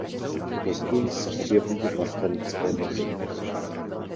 Později se objevují vlastenecké motivy.